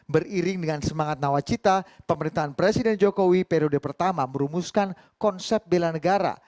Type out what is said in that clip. beriring dengan semangat nawacita pemerintahan presiden jokowi periode pertama merumuskan konsep bela negara